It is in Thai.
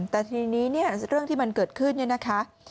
แต่ทีนี้เนี่ยเรื่องที่มันเกิดขึ้นเนี่ยนะคะ